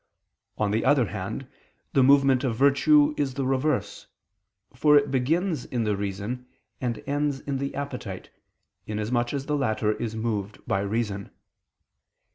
On the other hand, the movement of virtue is the reverse, for it begins in the reason and ends in the appetite, inasmuch as the latter is moved by reason.